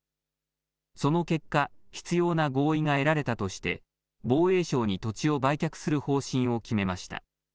その結果、必要な合意が得られたとして、防衛省に土地を売却する方針を決めました。